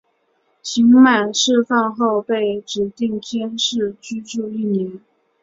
刑满释放后被指定监视居住一年。